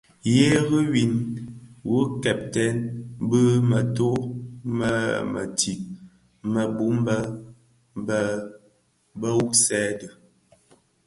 Ngheri win wuö kèbtèè bi mëto në metig më bum bèn bë bë dhi gubsèn dhi.